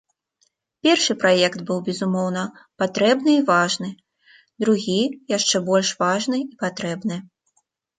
Першы праект быў, безумоўна, патрэбны і важны, другі яшчэ больш важны і патрэбны.